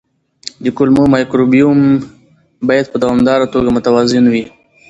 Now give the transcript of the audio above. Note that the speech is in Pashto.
د کولمو مایکروبیوم باید په دوامداره توګه متوازن وي.